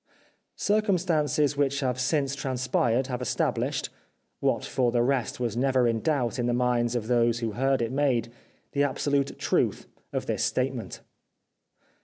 Circumstances which have since tran spired have estabhshed— what for the rest was never in doubt in the minds of those who heard it made— the absolute truth of this statement.